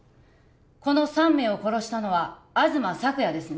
この３名を殺したのは東朔也ですね？